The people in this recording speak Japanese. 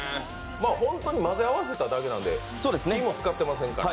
本当に混ぜ合わせただけなんで、火も使ってませんから。